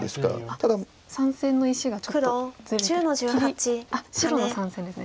あっ３線の石がちょっとずれてる白の３線ですね。